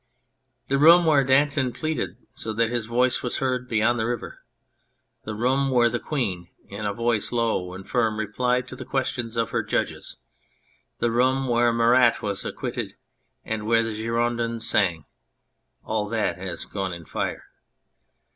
The room where Danton pleaded so that his voice was heard beyond the river ; the room where the Queen, in a voice low and firm, replied to the ques tions of her judges ; the room where Marat was acquitted, and where the Girondins sang all that has gone in fire.